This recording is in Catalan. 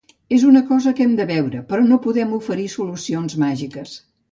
És una cosa que hem de veure, però no podem oferir solucions màgiques.